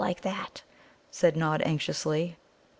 like that?" said Nod anxiously.